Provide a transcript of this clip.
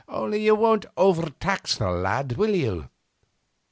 'Only you won't overtax the lad, will you?